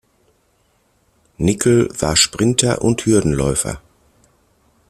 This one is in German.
Nickel war Sprinter und Hürdenläufer.